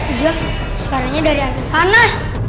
iya suaranya dari atas sana